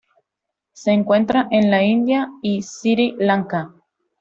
Se encuentra en la India y Sri Lanka.